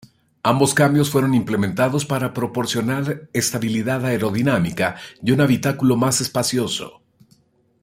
Ambos cambios fueron implementados para proporcionar estabilidad aerodinámica y un habitáculo más espacioso.